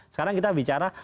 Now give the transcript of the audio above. sekarang kita bicara